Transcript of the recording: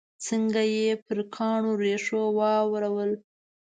څنګه یې پر کاڼو ریشو واورول.